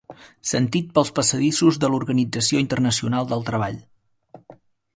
Sentit pels passadissos de l'Organització Internacional del Treball.